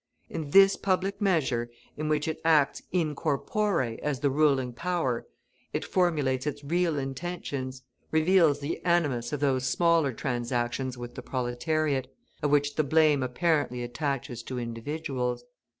In this public measure, in which it acts in corpore as the ruling power, it formulates its real intentions, reveals the animus of those smaller transactions with the proletariat, of which the blame apparently attaches to individuals.